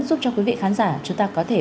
giúp cho quý vị khán giả chúng ta có thể